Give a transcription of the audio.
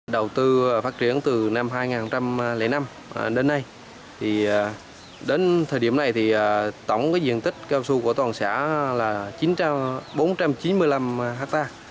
đầu tư phát triển từ năm hai nghìn năm đến nay đến thời điểm này thì tổng diện tích cao su của toàn xã là chín bốn trăm chín mươi năm ha